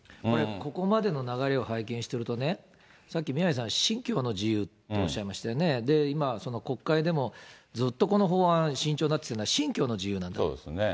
ここまでの流れを拝見してるとね、さっき宮根さん、信教の自由っておっしゃいましたよね、今、国会でもずっとこの法案、慎重になっているのは信教の自由なんですよ。